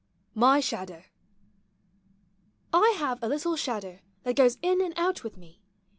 MY SHADOW. I have a little shadow that goes in and out with me.